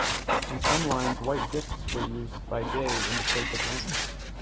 On some lines white discs were used by day in the place of lamps.